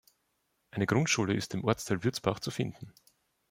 Eine Grundschule ist im Ortsteil Würzbach zu finden.